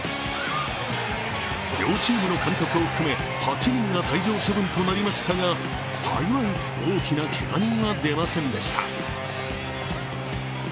両チームの監督を含め８人が退場処分となりましたが幸い大きなけが人は出ませんでした。